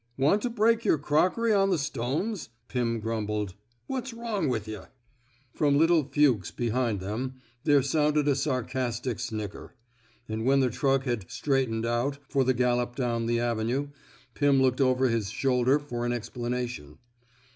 Want to break yer crockery on the stones! '' Pirn grumbled. What's wrong with yuhf '* From little Fuchs behind them, there sounded a sarcastic snicker; and when the truck had straightened out " for the ■> gallop down the avenue, Pim looked over his shoulder for an explanation.